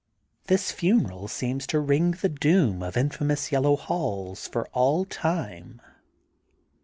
This funeral seems to ring the doom of infamous Yellow Halls for all time.